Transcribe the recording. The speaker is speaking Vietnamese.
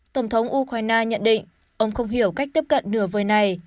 tổng thống ukraine nhận định ông không hiểu cách tiếp cận nửa vời này